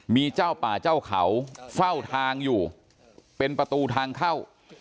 มีเจ้าป่าเจ้าเขาเฝ้าทางอยู่เป็นประตูทางเข้า